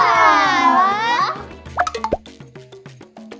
kecanggihan teknologi selalu ngasih barang